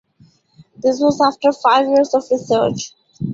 This was after five years of research.